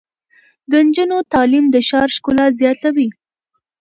د نجونو تعلیم د ښار ښکلا زیاتوي.